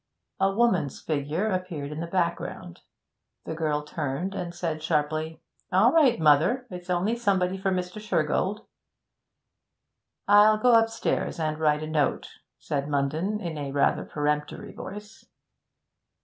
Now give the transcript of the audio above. A woman's figure appeared in the background. The girl turned and said sharply, 'All right, mother, it's only somebody for Mr. Shergold.' 'I'll go upstairs and write a note,' said Munden, in a rather peremptory voice.